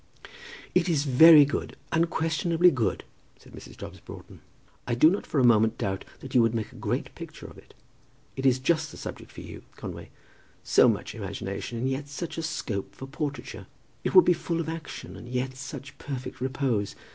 "It is very good, unquestionably good," said Mrs. Dobbs Broughton. "I do not for a moment doubt that you would make a great picture of it. It is just the subject for you, Conway; so much imagination, and yet such a scope for portraiture. It would be full of action, and yet such perfect repose.